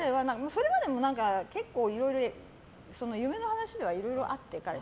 それまでも何回かいろいろ夢の話ではいろいろあって。